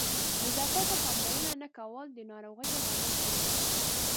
نظافت ته پاملرنه نه کول د ناروغیو لامل کېږي.